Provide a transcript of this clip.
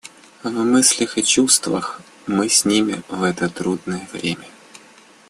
В мыслях и чувствах мы с ними в это трудное время.